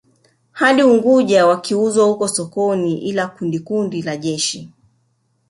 Hadi Unguja wakiuzwa huko sokoni ila kundi kundi la jeshi